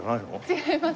違います。